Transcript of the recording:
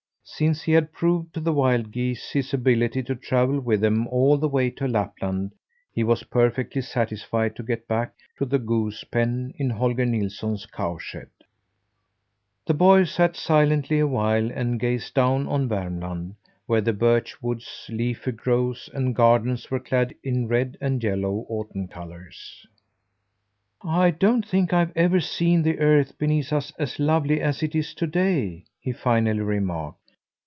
Since he had proved to the wild geese his ability to travel with them all the way to Lapland, he was perfectly satisfied to get back to the goose pen in Holger Nilsson's cow shed. The boy sat silently a while and gazed down on Vermland, where the birch woods, leafy groves, and gardens were clad in red and yellow autumn colours. "I don't think I've ever seen the earth beneath us as lovely as it is to day!" he finally remarked.